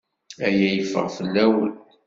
Aya yeffeɣ fell-awen.